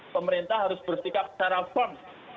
pemerintah harus bersikap secara firm